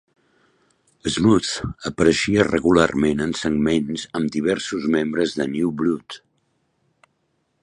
Smooth apareixia regularment en segments amb diversos membres de New Blood.